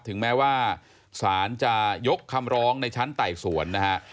ถึงแม้ว่าสารจะยกคำร้องในชั้นไต่สวนนะฮะ